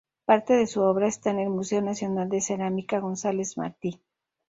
Parte de su obra está en el Museo Nacional de Cerámica González Martí.